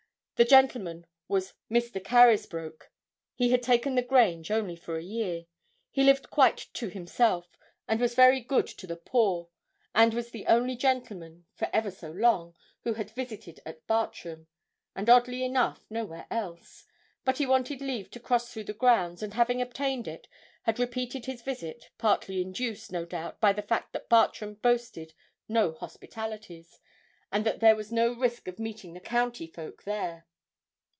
The gentleman was Mr. Carysbroke. He had taken The Grange only for a year. He lived quite to himself, and was very good to the poor, and was the only gentleman, for ever so long, who had visited at Bartram, and oddly enough nowhere else. But he wanted leave to cross through the grounds, and having obtained it, had repeated his visit, partly induced, no doubt, by the fact that Bartram boasted no hospitalities, and that there was no risk of meeting the county folk there.